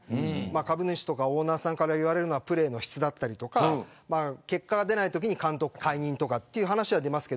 株主やオーナーさんから言われるのはプレーの質だったり結果が出ないときに監督解任という話は出ますが。